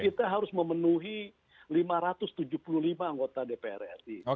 kita harus memenuhi lima ratus tujuh puluh lima anggota dpr ri